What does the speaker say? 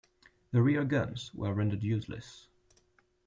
The rear guns were rendered useless.